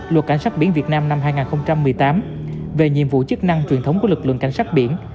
luật cảnh sát biển việt nam năm hai nghìn một mươi tám về nhiệm vụ chức năng truyền thống của lực lượng cảnh sát biển